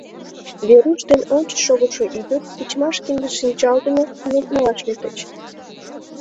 Веруш ден ончыч шогышо ӱдыр тичмаш кинде-шинчал дене нуным налаш лектыч.